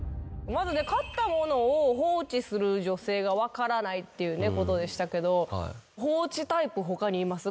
まずね買ったものを放置する女性が分からないっていうねことでしたけど放置タイプ他にいます？